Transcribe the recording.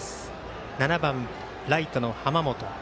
７番ライトの濱本。